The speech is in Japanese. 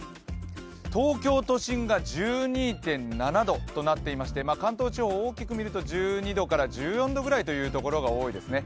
東京都心が１２．７度となっていまして関東地方大きく見ると１２度から１４度ぐらいという所が多いですね。